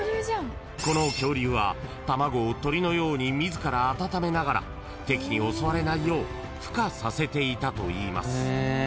［この恐竜は卵を鳥のように自ら温めながら敵に襲われないようふ化させていたといいます］